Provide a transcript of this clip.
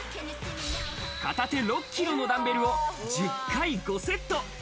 片手６キロのダンベルを、１０回５セット。